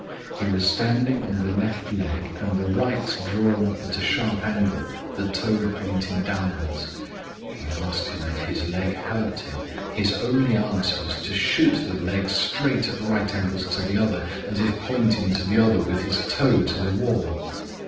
"He was standing on the left leg and the right drawn up at a sharp angle, the toe pointing downwards. I asked him if his leg hurt him. His only answer was to shoot the leg straight at right angles to the other, as if pointing to the other with his toe to the wall.